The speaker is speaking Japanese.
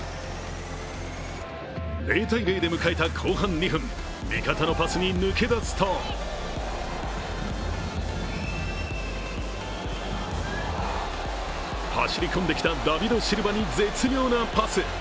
０−０で迎えた後半２分、味方のパスに抜け出すと走り込んできたダビド・シルバに絶妙なパス。